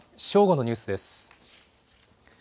正午のニュースです。